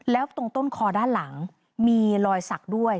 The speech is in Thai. แล้วตรงต้นคอด้านหลังมีรอยสักด้วย